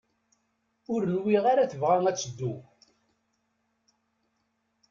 Ur nwiɣ ara tebɣa ad teddu.